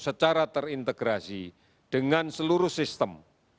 secara terintegrasi dengan seluruh sistem